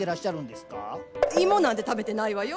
芋なんて食べてないわよ。